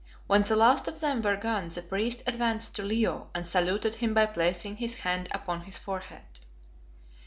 When the last of them were gone the priest advanced to Leo and saluted him by placing his hand upon his forehead.